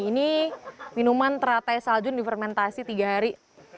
ini minuman teratai saljun di fermentasi tiga hari